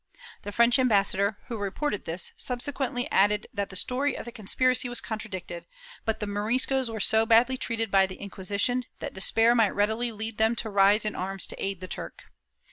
The French ambassador, who reported this, subsequently added that the story of the conspiracy was contradicted, but the Moriscos were so badly treated by the Inquisition that despair might readily lead them to rise in arms to aid the Turk.